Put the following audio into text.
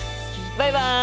バイバイ！